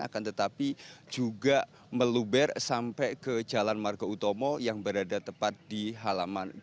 akan tetapi juga meluber sampai ke jalan margo utomo yang berada tepat di halaman